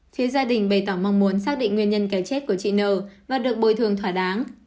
thứ gia đình bày tỏ mong muốn xác định nguyên nhân kẻ chết của chị n và được bồi thường thỏa đáng